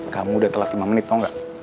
kamu udah telat lima menit tau gak